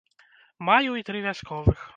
Маю і тры вясковых.